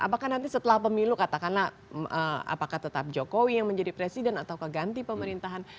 apakah nanti setelah pemilu katakanlah apakah tetap jokowi yang menjadi presiden atau keganti pemerintahan